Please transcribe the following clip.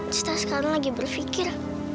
sita sekarang lagi berpikir